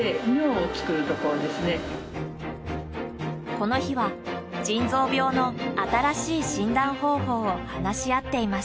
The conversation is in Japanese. この日は腎臓病の新しい診断方法を話し合っていました。